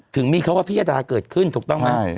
ถึงมีคำว่าพิยดาเกิดขึ้นถูกต้องไหม